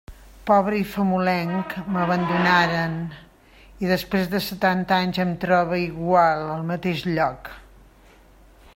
Pobre i famolenc m'abandonaren, i després de setanta anys em trobe igual, al mateix lloc.